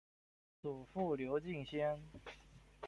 祖父刘敬先。